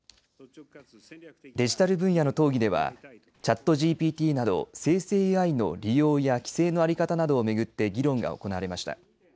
デジタル分野の討議ではＣｈａｔＧＰＴなど、生成ＡＩの利用や規制の在り方などを巡って議論が行われました。